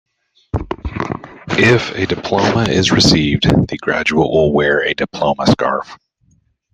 If a diploma is received, the graduate will wear a diploma scarf.